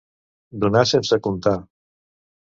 Donar sense comptar.